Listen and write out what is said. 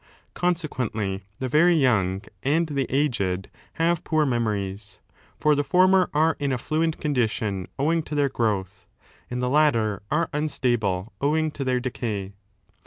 Consequently, the very young and the aged have 12 poor memories. For the former are in a fluent condition owing to their growth, and the latter are unstable owing to their decay.